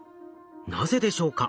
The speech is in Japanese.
なぜでしょうか？